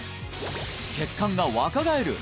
血管が若返る！